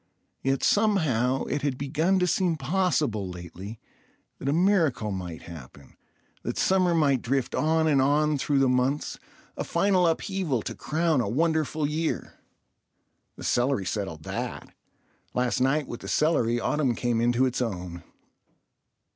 Yet somehow it had begun to seem possible lately that a miracle might happen, that summer might drift on and on through the months—a final upheaval to crown a wonderful year. The celery settled that. Last night with the celery autumn came into its own.